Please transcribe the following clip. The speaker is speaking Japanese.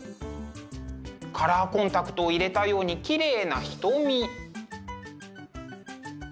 カラーコンタクトを入れたようにきれいな瞳。